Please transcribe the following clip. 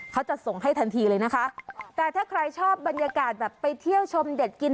เขาจะส่งให้ทันทีเลยนะคะแต่ถ้าใครชอบบรรยากาศแบบไปเที่ยวชมเด็ดกิน